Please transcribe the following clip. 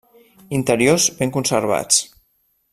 Interiors ben conservats.